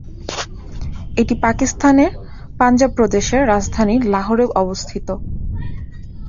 এটি পাকিস্তানের পাঞ্জাব প্রদেশের রাজধানী লাহোরে অবস্থিত।